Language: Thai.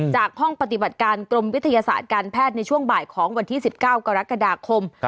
จากห้องปฏิบัติการกรมวิทยาศาสตร์การแพทย์ในช่วงบ่ายของวันที่๑๙กรกฎาคม